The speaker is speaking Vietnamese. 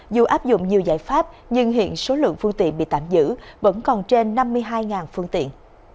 dù áp dụng nhiều giải pháp nhưng hiện số lượng phương tiện bị tạm giữ vẫn còn trên năm mươi hai phương tiện